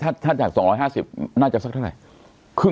ถ้าจาก๒๕๐น่าจะสักเท่าไหร่